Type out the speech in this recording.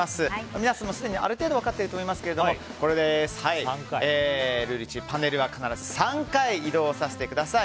皆さんもすでにある程度分かっていると思いますがルール１、パネルは必ず３回移動させてください。